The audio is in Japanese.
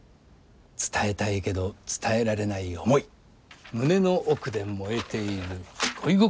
伝えたいけど伝えられない思い胸の奥で燃えている恋心。